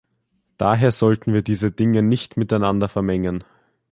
Daher sollten wir diese Dinge nicht miteinander vermengen.